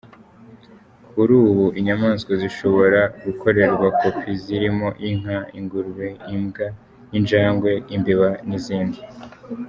Kuri ubu inyamaswa zishobora gukorerwa kopi zirimo inka, ingurube, imbwa, injangwe, imbeba n’izindi.